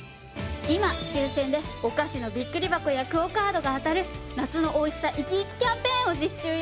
今抽選でお菓子のびっくり箱やＱＵＯカードが当たる「夏のおいしさいきいき！キャンペーン」を実施中よ。